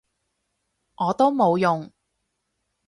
我都冇用